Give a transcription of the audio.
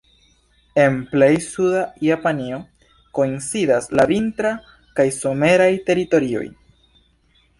En plej suda Japanio koincidas la vintraj kaj someraj teritorioj.